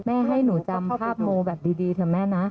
ให้หนูจำภาพโมแบบดีเถอะแม่นะ